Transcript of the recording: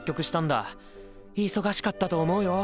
忙しかったと思うよ。